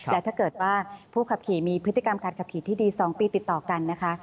และถ้าเกิดว่าผู้ขับขี่มีพฤติกรรมการขับขี่ที่ดี๒ปีติดต่อกันนะคะ